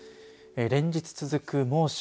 連日続く猛暑。